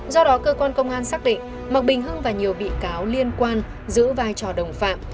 do đó cơ quan công an xác định mặc bình hưng và nhiều bị cáo liên quan giữ vai trò đồng phạm